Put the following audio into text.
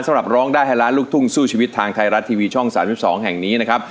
สำหรับร้องได้ให้ร้านลูกทุ่งสู้ชีวิตทางทายรัฐทีวีช่องสามสิบสองแห่งนี้นะครับ